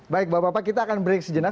baik bapak bapak kita akan break sejenak